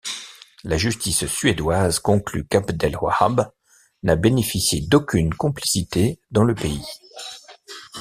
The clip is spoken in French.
La justice suédoise conclut qu'Abdel Wahab n'a bénéficié d'aucune complicité dans le pays.